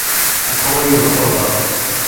Aqeṛṛu-iw d aferḍas